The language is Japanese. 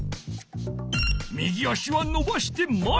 右足はのばしてまえ